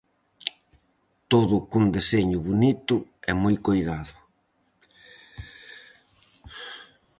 Todo cun deseño bonito e moi coidado.